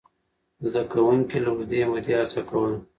زده کوونکي له اوږدې مودې هڅه کوله.